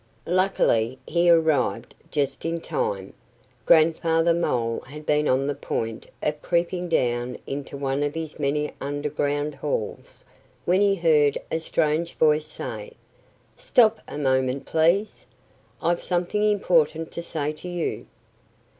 Luckily he arrived just in time. Grandfather Mole had been on the point of creeping down into one of his many underground halls when he heard a strange voice say, "Stop a moment, please! I've something important to say to you."